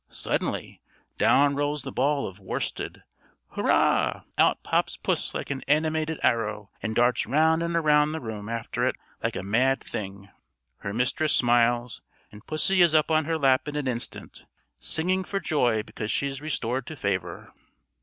Suddenly, down rolls the ball of worsted. Hurrah! out pops puss like an animated arrow, and darts round and round the room after it like a mad thing. Her mistress smiles, and pussy is up on her lap in an instant, singing for joy because she is restored to favour.